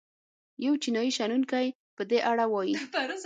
یو چینايي شنونکی په دې اړه وايي.